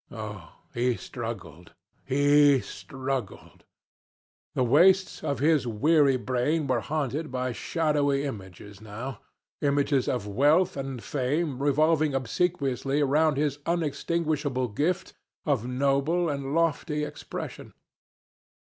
Oh, he struggled! he struggled! The wastes of his weary brain were haunted by shadowy images now images of wealth and fame revolving obsequiously round his unextinguishable gift of noble and lofty expression.